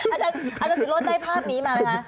อาจารย์ศิโรธได้ภาพนี้มาไหมคะ